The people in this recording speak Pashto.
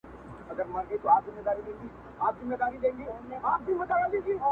ټولنيز، فرهنګي او نور هايبريډيټي حالتونه رامنځته کړي